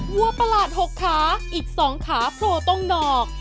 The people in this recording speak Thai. วัวประหลาดหกค้าอีกสองค้าโผล่ตรงหนอก